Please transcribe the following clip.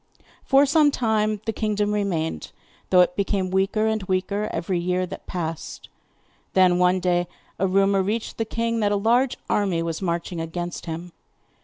For some time the kingdom remained, though it became weaker and weaker every year that passed. Then, one day, a rumour reached the king that a large army was marching against him.